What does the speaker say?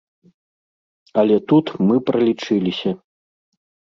Але тут мы пралічыліся.